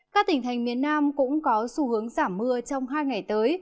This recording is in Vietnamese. các tỉnh thành miền nam cũng có xu hướng giảm mưa trong hai ngày tới